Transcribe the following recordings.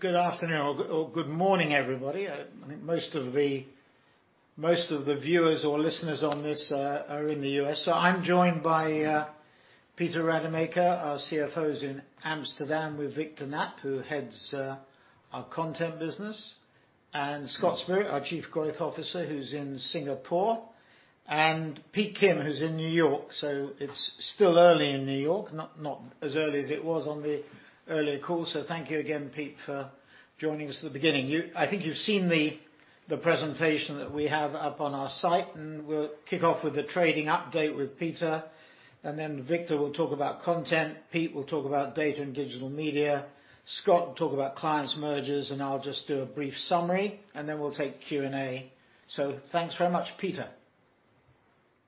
Good afternoon or good morning, everybody. I think most of the viewers or listeners on this are in the U.S. I'm joined by Peter Rademaker, our Chief Financial Officer, who's in Amsterdam, with Victor Knaap, who heads our content business, and Scott Spirit, our Chief Growth Officer, who's in Singapore, and Pete Kim, who's in New York. It's still early in New York, not as early as it was on the earlier call. Thank you again, Pete, for joining us at the beginning. I think you've seen the presentation that we have up on our site, and we'll kick off with a trading update with Peter, and then Victor will talk about content. Pete will talk about Data & Digital Media. Scott will talk about clients mergers, and I'll just do a brief summary, and then we'll take Q&A. Thanks very much. Peter?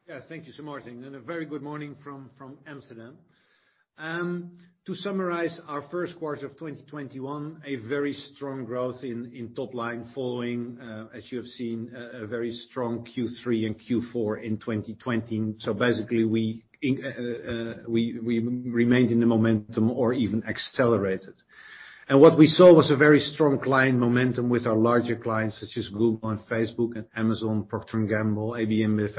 Yeah, thank you, Martin. A very good morning from Amsterdam. To summarize our first quarter of 2021, a very strong growth in top line following, as you have seen, a very strong Q3 and Q4 in 2020. Basically, we remained in the momentum or even accelerated. What we saw was a very strong client momentum with our larger clients such as Google, Facebook, Amazon, Procter & Gamble, AB InBev,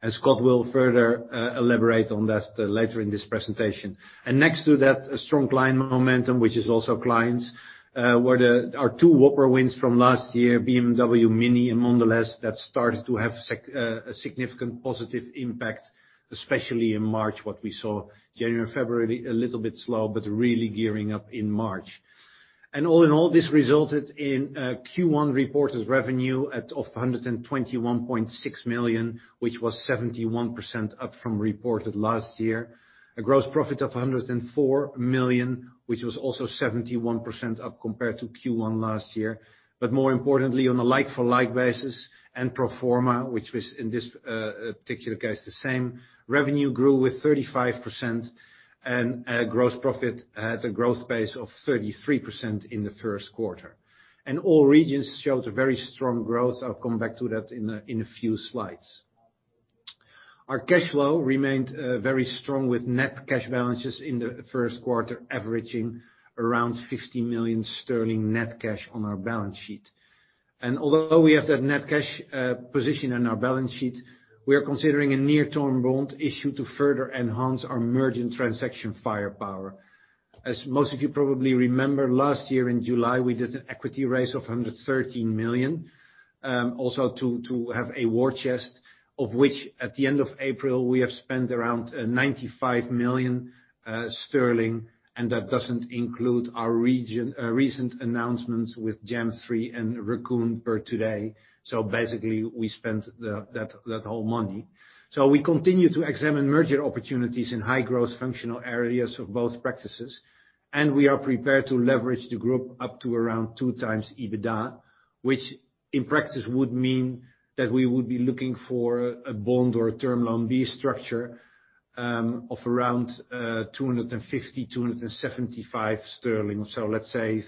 and Netflix, as Scott will further elaborate on that later in this presentation. Next to that strong client momentum, which is also clients, were our two Whopper wins from last year, BMW, Mini, and Mondelez, that started to have a significant positive impact, especially in March, what we saw. January, February, a little bit slow, really gearing up in March. All in all, this resulted in Q1 reported revenue of 121.6 million, which was 71% up from reported last year. A gross profit of 104 million, which was also 71% up compared to Q1 last year. More importantly, on a like for like basis and pro forma, which was in this particular case the same, revenue grew with 35%, gross profit had a growth pace of 33% in the first quarter. All regions showed a very strong growth. I will come back to that in a few slides. Our cash flow remained very strong with net cash balances in the first quarter averaging around 50 million sterling net cash on our balance sheet. Although we have that net cash position on our balance sheet, we are considering a near-term bond issue to further enhance our merger and transaction firepower. As most of you probably remember, last year in July we did an equity raise of 130 million. To have a war chest, of which at the end of April, we have spent around 95 million sterling, that doesn't include our recent announcements with Jam3 and Raccoon per today. Basically, we spent that whole money. We continue to examine merger opportunities in high growth functional areas of both practices. We are prepared to leverage the group up to around 2x EBITDA, which in practice would mean that we would be looking for a bond or a term loan B structure, of around 250-275 sterling, let's say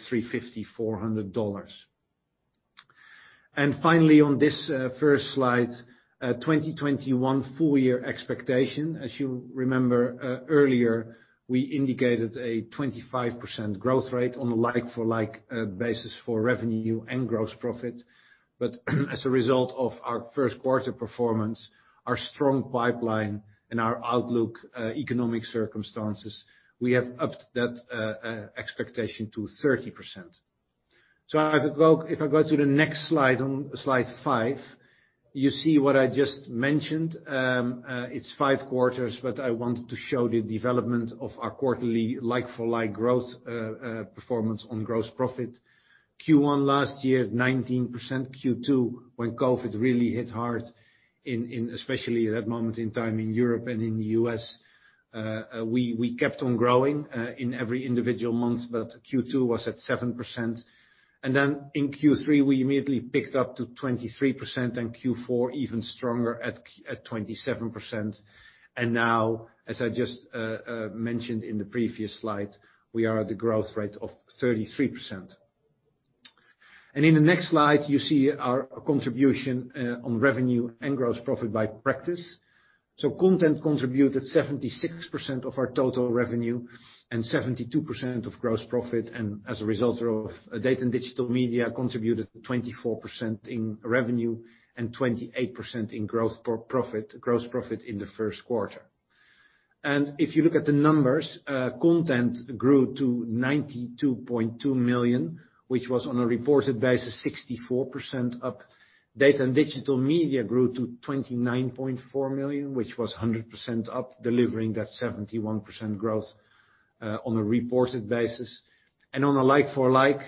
$350-$400. Finally, on this first slide, 2021 full year expectation. As you remember earlier, we indicated a 25% growth rate on a like for like basis for revenue and gross profit. As a result of our first quarter performance, our strong pipeline and our outlook economic circumstances, we have upped that expectation to 30%. If I go to the next slide, on slide five, you see what I just mentioned. It's five quarters, but I wanted to show the development of our quarterly like for like growth performance on gross profit. Q1 last year, 19%. Q2, when COVID really hit hard, especially at that moment in time in Europe and in the U.S., we kept on growing in every individual month, but Q2 was at 7%. In Q3, we immediately picked up to 23%, and Q4 even stronger at 27%. Now, as I just mentioned in the previous slide, we are at a growth rate of 33%. In the next slide, you see our contribution on revenue and gross profit by practice. Content contributed 76% of our total revenue and 72% of gross profit, and data and digital media contributed 24% in revenue and 28% in gross profit in the first quarter. If you look at the numbers, content grew to 92.2 million, which was on a reported basis, 64% up. Data and digital media grew to 29.4 million, which was 100% up, delivering that 71% growth on a reported basis. On a like for like,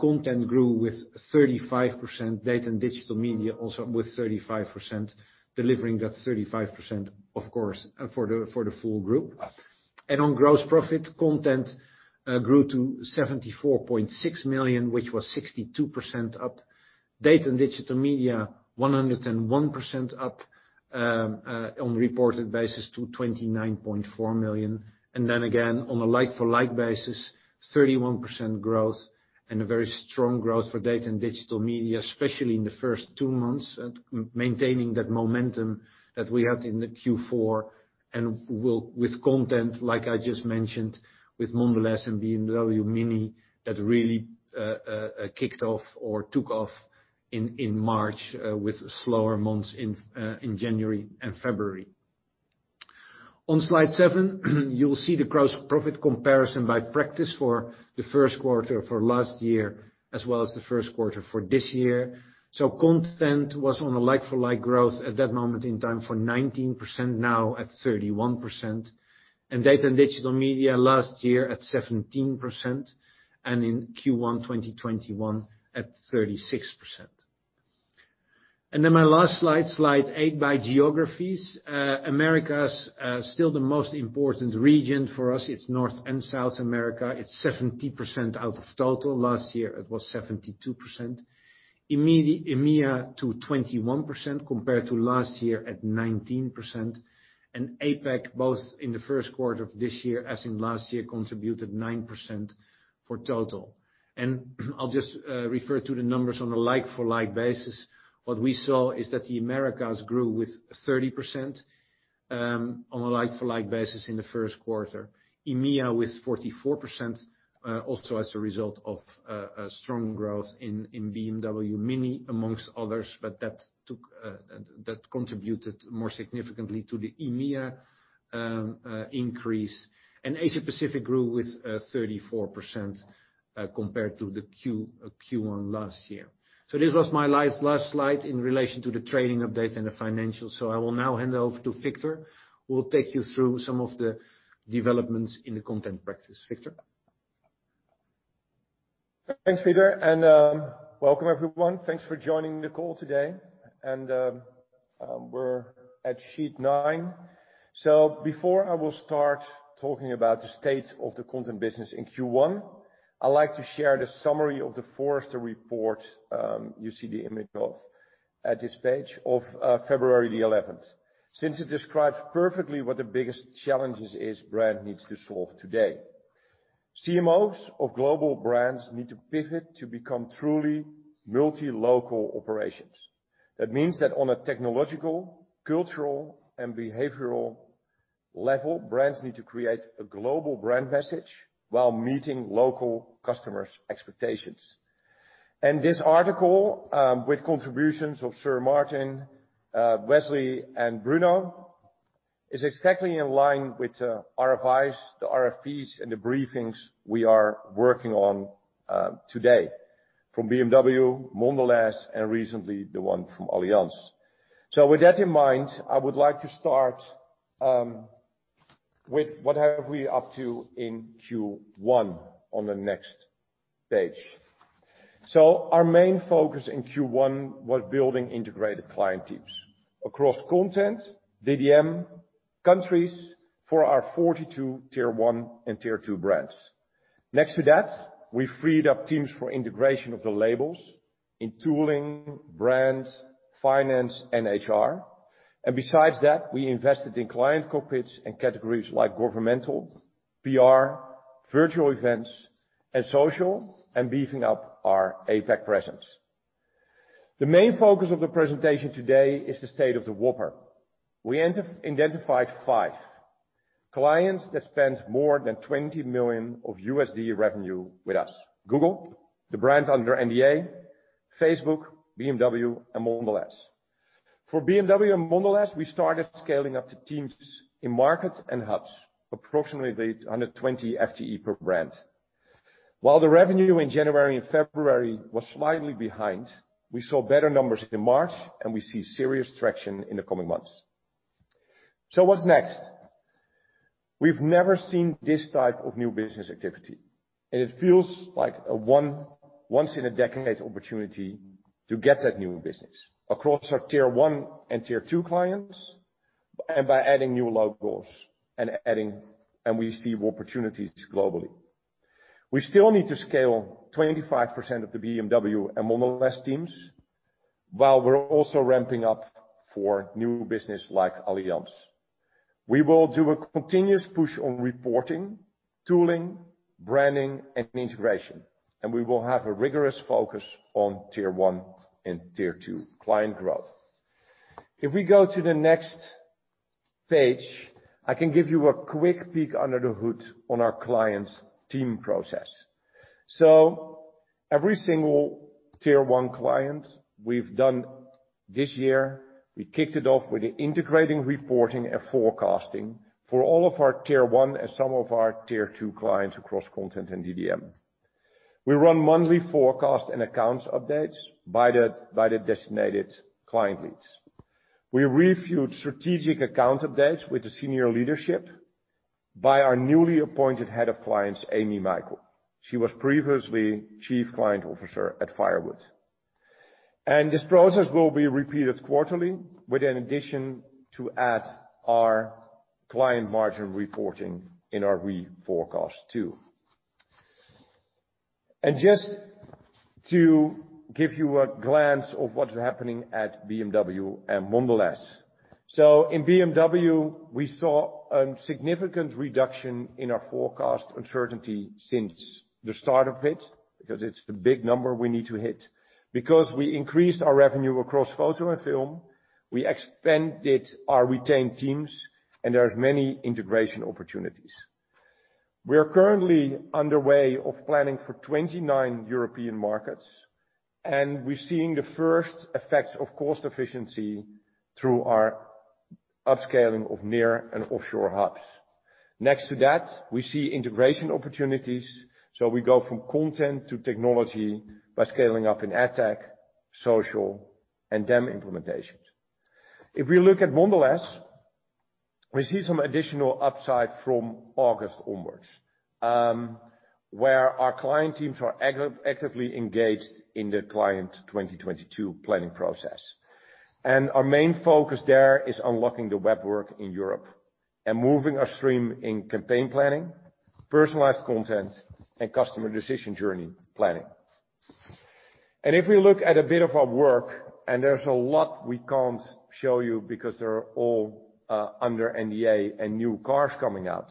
content grew with 35%, data and digital media also up with 35%, delivering that 35%, of course, for the full group. On gross profit, content grew to 74.6 million, which was 62% up. Data and digital media, 101% up on reported basis to 29.4 million. Then again, on a like for like basis, 31% growth and a very strong growth for Data & Digital Media, especially in the first two months, maintaining that momentum that we had in the Q4 and with content, like I just mentioned, with Mondelez and BMW Mini that really kicked off or took off in March with slower months in January and February. On slide seven, you will see the gross profit comparison by practice for the first quarter for last year, as well as the first quarter for this year. Content was on a like for like growth at that moment in time for 19%, now at 31%, and Data & Digital Media last year at 17%, and in Q1 2021 at 36%. My last slide eight by geographies. Americas, still the most important region for us. It is North and South America. It is 70% out of total. Last year, it was 72%. EMEA to 21% compared to last year at 19%, and APAC, both in the first quarter of this year, as in last year, contributed 9% for total. I'll just refer to the numbers on a like-for-like basis. What we saw is that the Americas grew with 30% on a like-for-like basis in the first quarter. EMEA with 44%, also as a result of strong growth in BMW Mini, amongst others. That contributed more significantly to the EMEA increase. Asia Pacific grew with 34% compared to the Q1 last year. This was my last slide in relation to the trading update and the financials. I will now hand over to Victor, who will take you through some of the developments in the content practice. Victor? Thanks, Peter Rademaker, and welcome everyone. Thanks for joining the call today. We're at sheet nine. Before I will start talking about the state of the content business in Q1, I'd like to share the summary of the Forrester report, you see the image of at this page, of February 11th. Since it describes perfectly what the biggest challenges is brand needs to solve today. CMOs of global brands need to pivot to become truly multi-local operations. That means that on a technological, cultural, and behavioral level, brands need to create a global brand message while meeting local customers' expectations. This article, with contributions of Martin Sorrell, Wesley ter Haar, and Bruno Lambertini, is exactly in line with RFIs, the RFPs, and the briefings we are working on today from BMW, Mondelez, and recently the one from Allianz. With that in mind, I would like to start with what are we up to in Q1 on the next page. Our main focus in Q1 was building integrated client teams across content, DDM, countries, for our 42 tier one and tier two brands. Next to that, we freed up teams for integration of the labels in tooling, brand, finance, and HR. Besides that, we invested in client cockpits and categories like governmental, PR, virtual events, and social, and beefing up our APAC presence. The main focus of the presentation today is the state of the Whopper. We identified five clients that spent more than $20 million revenue with us. Google, the brand under NDA, Facebook, BMW, and Mondelez. For BMW and Mondelez, we started scaling up the teams in markets and hubs, approximately 120 FTE per brand. While the revenue in January and February was slightly behind, we saw better numbers in March, and we see serious traction in the coming months. What's next? We've never seen this type of new business activity, and it feels like a once in a decade opportunity to get that new business across our tier one and tier two clients, and by adding new logos and we see more opportunities globally. We still need to scale 25% of the BMW and Mondelez teams, while we're also ramping up for new business like Allianz. We will do a continuous push on reporting, tooling, branding, and integration, and we will have a rigorous focus on tier one and tier two client growth. If we go to the next page, I can give you a quick peek under the hood on our client's team process. Every single tier one client we've done this year, we kicked it off with integrating reporting and forecasting for all of our tier one and some of our tier two clients across content and DDM. We run monthly forecast and accounts updates by the designated client leads. We reviewed strategic account updates with the senior leadership by our newly appointed Head of Clients, Amy Michael. She was previously Chief Client Officer at Firewood. This process will be repeated quarterly with an addition to add our client margin reporting in our reforecast too. Just to give you a glance of what's happening at BMW and Mondelez. In BMW, we saw a significant reduction in our forecast uncertainty since the start of it, because it's a big number we need to hit. Because we increased our revenue across photo and film, we expanded our retained teams, and there's many integration opportunities. We are currently underway of planning for 29 European markets. We're seeing the first effects of cost efficiency through our upscaling of near and offshore hubs. Next to that, we see integration opportunities. We go from content to technology by scaling up in ad tech, social, and DAM implementations. If we look at Mondelez, we see some additional upside from August onwards, where our client teams are actively engaged in the client 2022 planning process. Our main focus there is unlocking the Whopper in Europe and moving our stream in campaign planning, personalized content, and customer decision journey planning. If we look at a bit of our work, and there's a lot we can't show you because they're all under NDA and new cars coming out.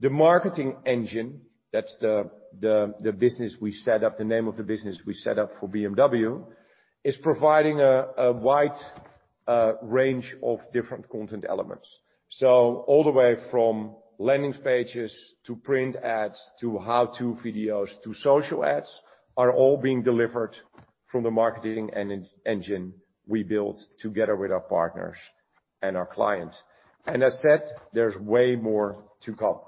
The Marketing Engine, that's the name of the business we set up for BMW, is providing a wide range of different content elements. All the way from landing pages, to print ads, to how-to videos, to social ads, are all being delivered from the marketing engine we built together with our partners and our clients. As said, there's way more to come.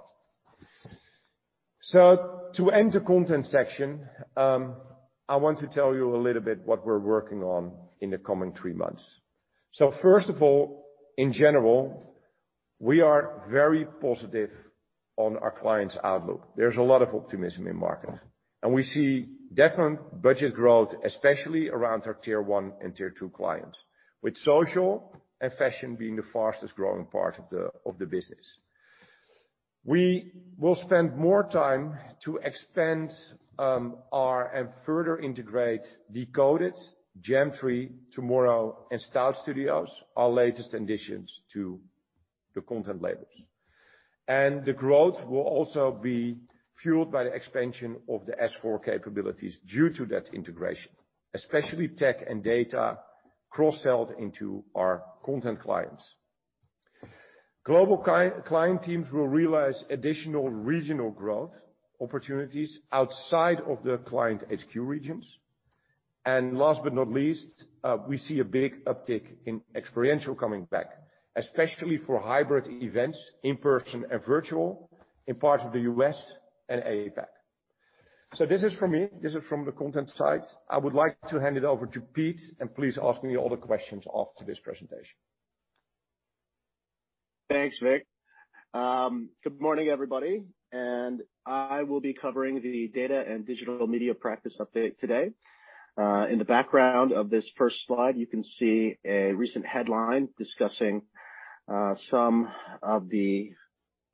To end the content section, I want to tell you a little bit what we're working on in the coming three months. First of all, in general, we are very positive on our clients' outlook. There's a lot of optimism in market. We see definite budget growth, especially around our tier one and tier two clients, with social and fashion being the fastest-growing part of the business. We will spend more time to expand our, and further integrate Decoded, Jam3, Tomorrow, and Staud Studios, our latest additions to the content labels. The growth will also be fueled by the expansion of the S4 capabilities due to that integration, especially tech and data cross-sold into our content clients. Global client teams will realize additional regional growth opportunities outside of the client HQ regions. Last but not least, we see a big uptick in experiential coming back, especially for hybrid events, in-person and virtual, in parts of the U.S. and APAC. This is from me. This is from the content side. I would like to hand it over to Pete, and please ask me all the questions after this presentation. Thanks, Vic. Good morning, everybody, and I will be covering the Data & Digital Media practice update today. In the background of this first slide, you can see a recent headline discussing some of the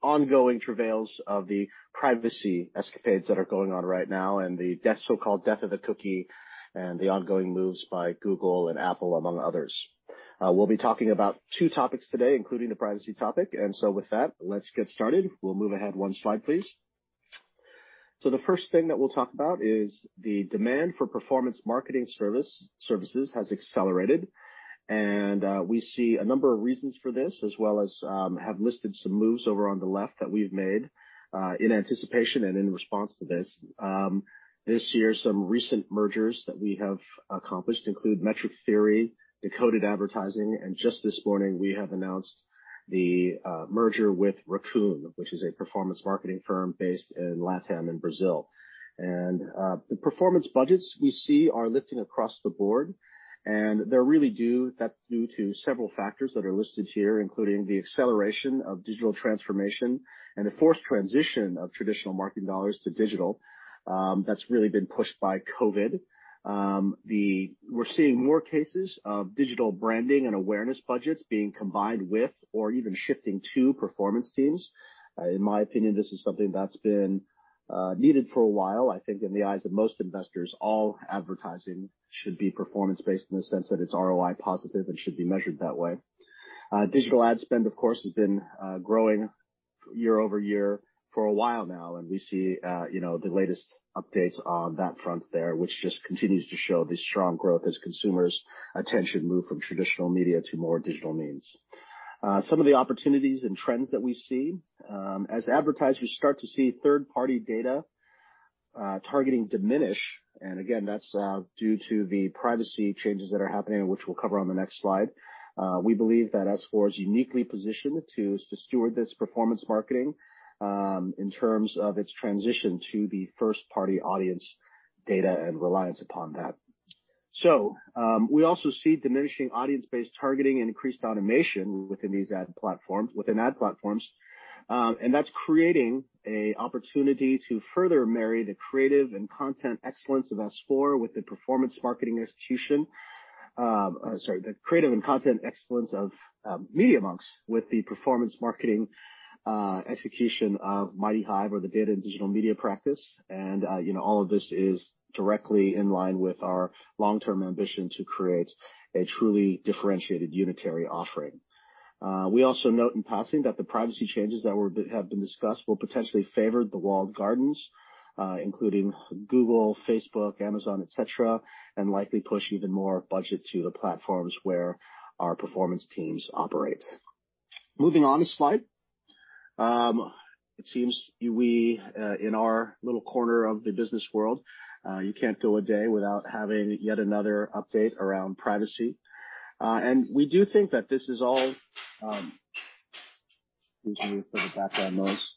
ongoing travails of the privacy escapades that are going on right now and the so-called death of the cookie and the ongoing moves by Google and Apple, among others. We'll be talking about two topics today, including the privacy topic. With that, let's get started. We'll move ahead one slide, please. The first thing that we'll talk about is the demand for performance marketing services has accelerated, and we see a number of reasons for this, as well as have listed some moves over on the left that we've made, in anticipation and in response to this. This year, some recent mergers that we have accomplished include Metric Theory, Decoded Advertising, and just this morning, we have announced the merger with Raccoon, which is a performance marketing firm based in LATAM in Brazil. The performance budgets we see are lifting across the board, and that's due to several factors that are listed here, including the acceleration of digital transformation and the forced transition of traditional marketing dollars to digital. That's really been pushed by COVID. We're seeing more cases of digital branding and awareness budgets being combined with or even shifting to performance teams. In my opinion, this is something that's been needed for a while. I think in the eyes of most investors, all advertising should be performance-based in the sense that it's ROI positive and should be measured that way. Digital ad spend, of course, has been growing YoY for a while now, and we see the latest updates on that front there, which just continues to show the strong growth as consumers' attention move from traditional media to more digital means. Some of the opportunities and trends that we see, as advertisers start to see third-party data targeting diminish, and again, that's due to the privacy changes that are happening, which we'll cover on the next slide. We believe that S4 is uniquely positioned to steward this performance marketing in terms of its transition to the first-party audience data and reliance upon that. We also see diminishing audience-based targeting and increased automation within ad platforms, and that's creating a opportunity to further marry the creative and content excellence of S4 with the performance marketing execution of Media.Monks with the performance marketing execution of MightyHive or the Data & Digital Media practice. All of this is directly in line with our long-term ambition to create a truly differentiated unitary offering. We also note in passing that the privacy changes that have been discussed will potentially favor the walled gardens, including Google, Facebook, Amazon, et cetera, and likely push even more budget to the platforms where our performance teams operate. Moving on a slide. It seems we, in our little corner of the business world, you can't go a day without having yet another update around privacy. We do think that this is all. Excuse me for the background noise.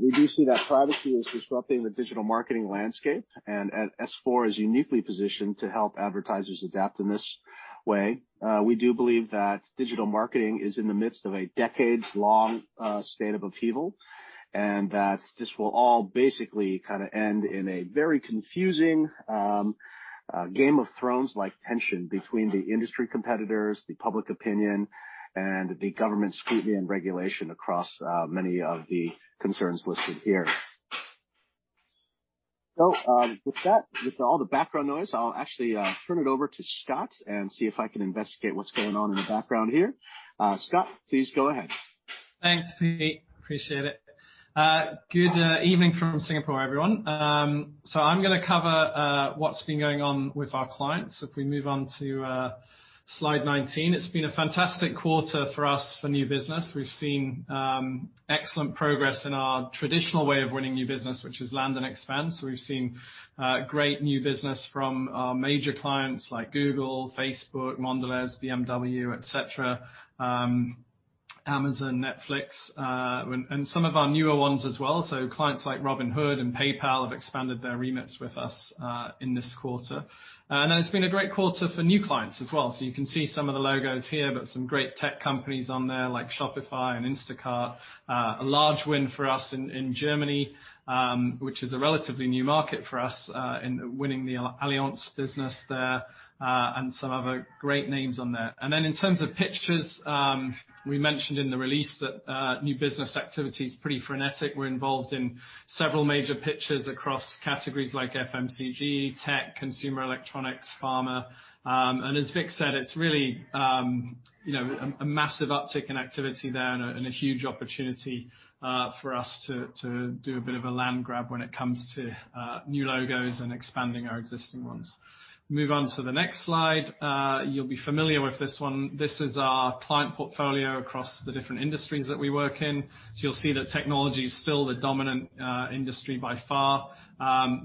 We do see that privacy is disrupting the digital marketing landscape, and S4 is uniquely positioned to help advertisers adapt in this way. We do believe that digital marketing is in the midst of a decades-long state of upheaval, and that this will all basically end in a very confusing Game of Thrones-like tension between the industry competitors, the public opinion, and the government scrutiny and regulation across many of the concerns listed here. With that, with all the background noise, I'll actually turn it over to Scott and see if I can investigate what's going on in the background here. Scott, please go ahead. Thanks, Pete. Appreciate it. Good evening from Singapore, everyone. I'm going to cover what's been going on with our clients if we move on to slide 19. It's been a fantastic quarter for us for new business. We've seen excellent progress in our traditional way of winning new business, which is land and expand. We've seen great new business from our major clients like Google, Facebook, Mondelez, BMW, et cetera, Amazon, Netflix, and some of our newer ones as well. Clients like Robinhood and PayPal have expanded their remits with us in this quarter. It's been a great quarter for new clients as well. You can see some of the logos here, we've got some great tech companies on there like Shopify and Instacart. A large win for us in Germany, which is a relatively new market for us, in winning the Allianz business there, and some other great names on there. In terms of pitches, we mentioned in the release that new business activity is pretty frenetic. We're involved in several major pitches across categories like FMCG, tech, consumer electronics, pharma. As Vic said, it's really a massive uptick in activity there and a huge opportunity for us to do a bit of a land grab when it comes to new logos and expanding our existing ones. Move on to the next slide. You'll be familiar with this one. This is our client portfolio across the different industries that we work in. You'll see that technology is still the dominant industry by far.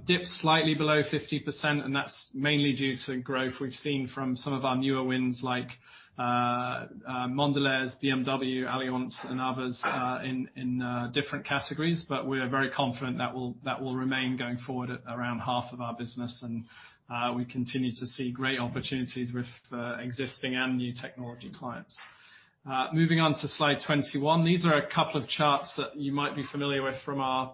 Dips slightly below 50%, and that's mainly due to growth we've seen from some of our newer wins like Mondelez, BMW, Allianz, and others in different categories. We are very confident that will remain going forward at around half of our business, and we continue to see great opportunities with existing and new technology clients. Moving on to slide 21. These are a couple of charts that you might be familiar with from our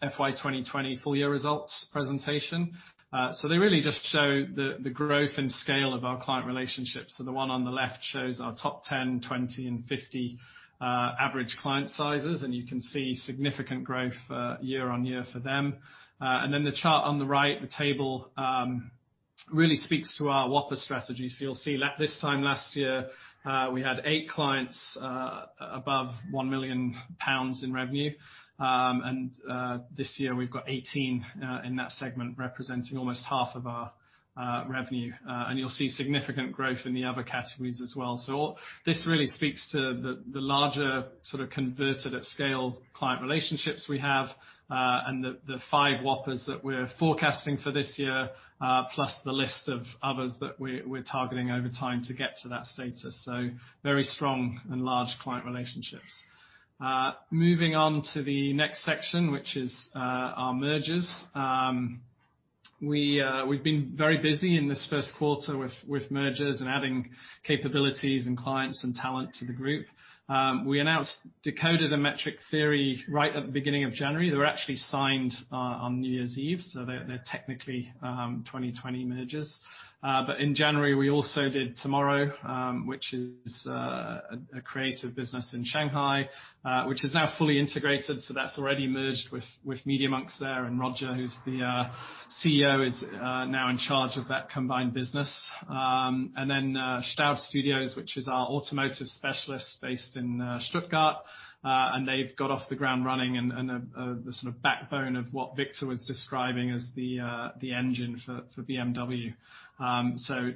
FY 2020 full year results presentation. They really just show the growth and scale of our client relationships. The one on the left shows our top 10, 20, and 50 average client sizes, and you can see significant growth year-on-year for them. The chart on the right, the table really speaks to our Whopper strategy. You'll see this time last year, we had eight clients above 1 million pounds in revenue. This year we've got 18 in that segment, representing almost half of our revenue. You'll see significant growth in the other categories as well. This really speaks to the larger sort of converted at scale client relationships we have, and the five Whoppers that we're forecasting for this year, plus the list of others that we're targeting over time to get to that status. Very strong and large client relationships. Moving on to the next section, which is our mergers. We've been very busy in this first quarter with mergers and adding capabilities and clients and talent to the group. We announced Decoded Advertising and Metric Theory right at the beginning of January. They were actually signed on New Year's Eve, so they're technically 2020 mergers. In January, we also did Tomorrow, which is a creative business in Shanghai, which is now fully integrated, so that is already merged with Media.Monks there, and Matt Rednor, who is the Chief Executive Officer, is now in charge of that combined business. Then Staud Studios, which is our automotive specialist based in Stuttgart, and they have got off the ground running and are the sort of backbone of what Victor was describing as the engine for BMW.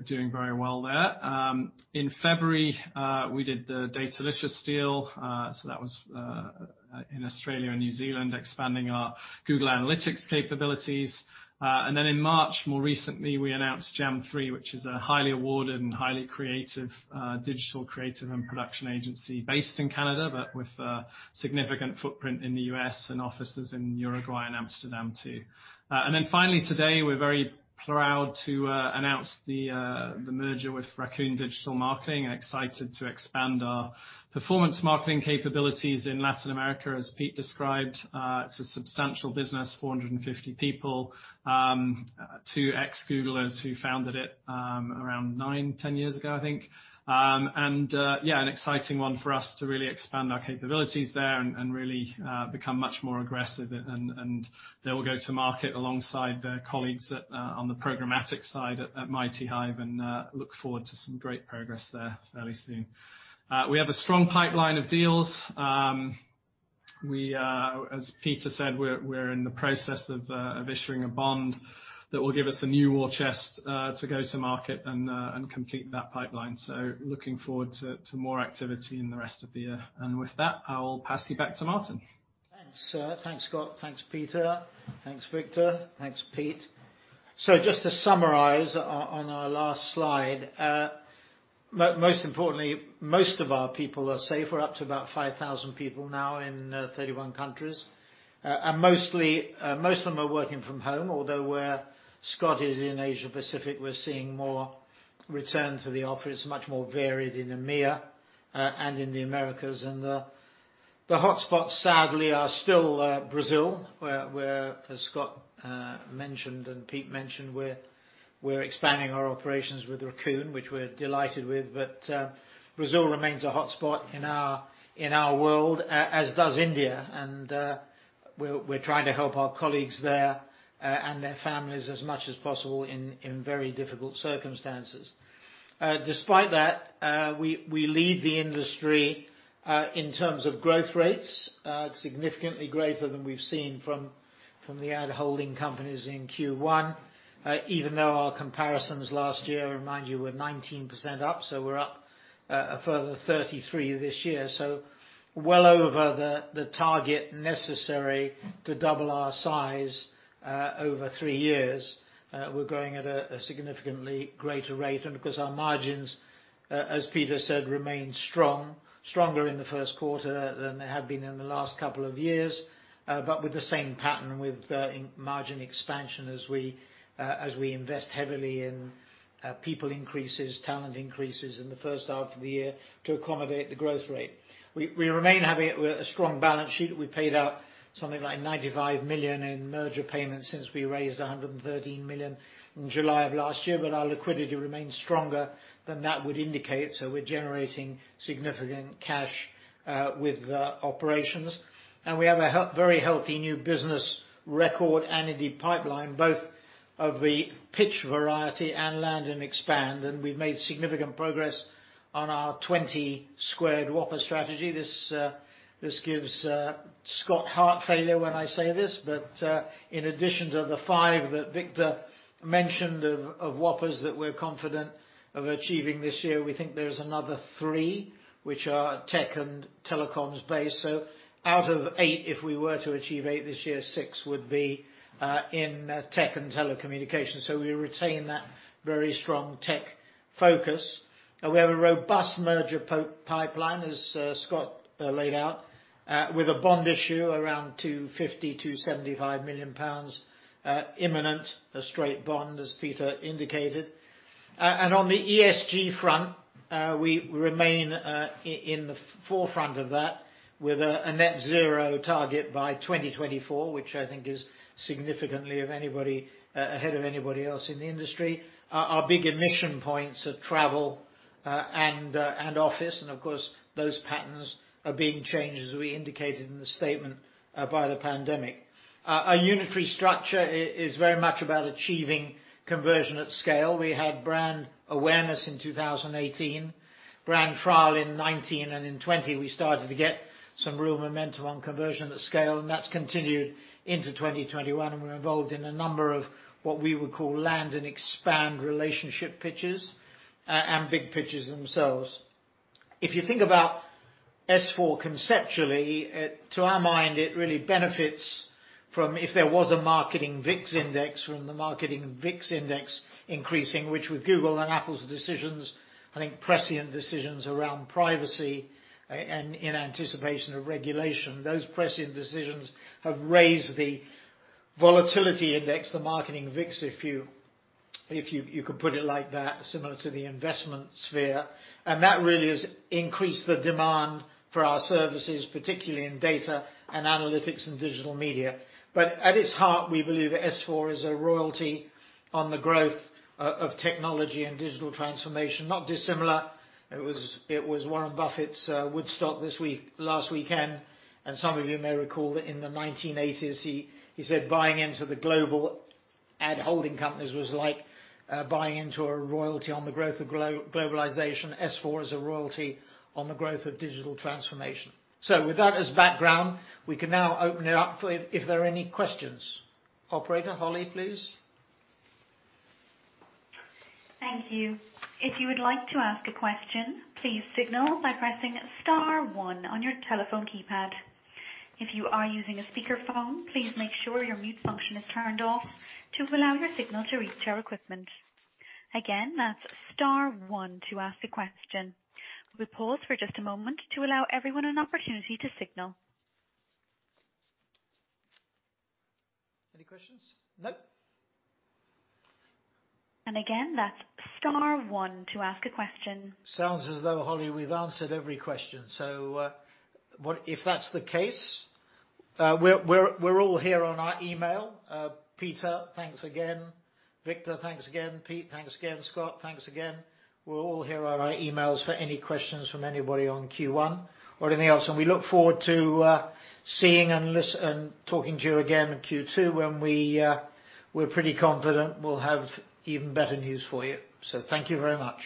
Doing very well there. In February, we did the Datalicious deal, so that was in Australia and New Zealand, expanding our Google Analytics capabilities. In March, more recently, we announced Jam3, which is a highly awarded and highly creative digital creative and production agency based in Canada, but with a significant footprint in the U.S. and offices in Uruguay and Amsterdam too. Finally today, we're very proud to announce the merger with Raccoon Group and excited to expand our performance marketing capabilities in Latin America. As Pete described, it's a substantial business, 450 people. Two ex-Googlers who founded it around nine, 10 years ago, I think. Yeah, an exciting one for us to really expand our capabilities there and really become much more aggressive, and they will go to market alongside their colleagues on the programmatic side at MightyHive, look forward to some great progress there fairly soon. We have a strong pipeline of deals. As Pete said, we're in the process of issuing a bond that will give us a new war chest to go to market and complete that pipeline. Looking forward to more activity in the rest of the year. With that, I will pass you back to Martin Sorrell. Thanks, Scott Spirit. Thanks, Peter Rademaker. Thanks, Victor Knaap. Thanks, Pete Kim. Just to summarize on our last slide, most importantly, most of our people are safe. We're up to about 5,000 people now in 31 countries. Most of them are working from home, although where Scott Spirit is in Asia Pacific, we're seeing more return to the office, much more varied in EMEA, and in the Americas. The hotspots sadly are still Brazil, where as Scott Spirit mentioned and Pete Kim mentioned, we're expanding our operations with Raccoon Group, which we're delighted with. Brazil remains a hotspot in our world, as does India. We're trying to help our colleagues there, and their families as much as possible in very difficult circumstances. Despite that, we lead the industry, in terms of growth rates, significantly greater than we've seen from the ad holding companies in Q1. Even though our comparisons last year, remind you, were 19% up, we're up a further 33% this year. Well over the target necessary to double our size over three years. We're growing at a significantly greater rate. Of course, our margins, as Peter said, remain strong, stronger in the first quarter than they have been in the last couple of years. With the same pattern with margin expansion as we invest heavily in people increases, talent increases in the first half of the year to accommodate the growth rate. We remain having a strong balance sheet. We paid out something like 95 million in merger payments since we raised 113 million in July of last year, our liquidity remains stronger than that would indicate. We're generating significant cash with the operations. We have a very healthy new business record and indeed pipeline, both of the pitch variety and land and expand, and we've made significant progress on our 20 Squared Whopper strategy. This gives Scott heart failure when I say this, but, in addition to the five that Victor mentioned of Whoppers that we're confident of achieving this year, we think there's another three which are tech and telecoms-based. Out of eight, if we were to achieve eight this year, six would be in tech and telecommunications. We retain that very strong tech focus. We have a robust merger pipeline, as Scott laid out, with a bond issue around 250-275 million pounds imminent, a straight bond, as Peter indicated. On the ESG front, we remain in the forefront of that with a net zero target by 2024, which I think is significantly ahead of anybody else in the industry. Our big emission points are travel and office, and of course, those patterns are being changed, as we indicated in the statement, by the pandemic. Our unitary structure is very much about achieving conversion at scale. We had brand awareness in 2018, brand trial in 2019, and in 2020, we started to get some real momentum on conversion at scale, and that's continued into 2021, and we're involved in a number of what we would call land and expand relationship pitches, and big pitches themselves. If you think about S4 conceptually, to our mind, it really benefits from if there was a marketing VIX index, from the marketing VIX index increasing, which with Google and Apple's decisions, I think prescient decisions around privacy and in anticipation of regulation, those prescient decisions have raised the volatility index, the marketing VIX, if you could put it like that, similar to the investment sphere. That really has increased the demand for our services, particularly in data and analytics and digital media. At its heart, we believe that S4 is a royalty on the growth of technology and digital transformation, not dissimilar. It was Warren Buffett's Woodstock last weekend, Some of you may recall that in the 1980s, he said buying into the global ad holding companies was like buying into a royalty on the growth of globalization. S4 is a royalty on the growth of digital transformation. With that as background, we can now open it up if there are any questions. Operator, Holly, please. Thank you. If you would like to ask a question, please signal by pressing star one on your telephone keypad. If you are using a speaker phone, please make sure your mute function is turned off to allow your signal to reach our equipment. Again, that's star one to ask a question. We'll pause for just a moment to allow everyone an opportunity to signal. Any questions? No. Again, that's star one to ask a question. Sounds as though, Holly, we've answered every question. If that's the case, we're all here on our email. Peter, thanks again. Victor, thanks again. Pete, thanks again. Scott, thanks again. We're all here on our emails for any questions from anybody on Q1 or anything else. We look forward to seeing and talking to you again in Q2 when we're pretty confident we'll have even better news for you. Thank you very much.